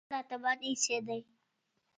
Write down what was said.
ځان راته بد اېسېد.